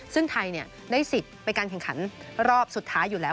ซึ่งไทยได้สิทธิ์ไปการแข่งขันรอบสุดท้ายอยู่แล้ว